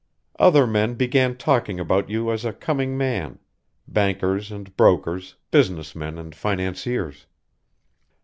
"Other men began talking about you as a coming man bankers and brokers, business men and financiers.